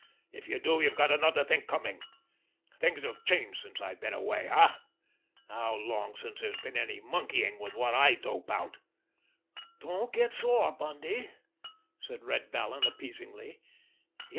If you do, you've got another think coming! Things have changed since I've been away—eh? How long since there's been any monkeying with what I dope out?" "Don't get sore, Bundy," said Red Vallon appeasingly.